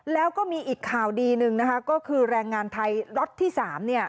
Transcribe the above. แล้วก็มีอีกข่าวดีหนึ่งนะคะก็คือแรงงานไทยล็อตที่๓เนี่ย